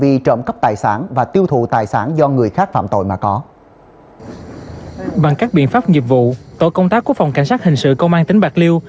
bằng các biện pháp nghiệp vụ tổ công tác của phòng cảnh sát hình sự công an tỉnh bạc liêu